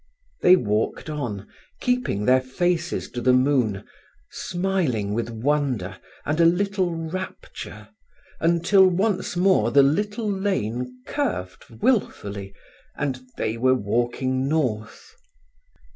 They walked on, keeping their faces to the moon, smiling with wonder and a little rapture, until once mote the little lane curved wilfully, and they were walking north.